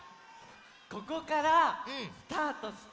ここからスタートして。